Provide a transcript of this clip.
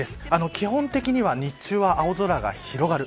基本的には日中は青空が広がる。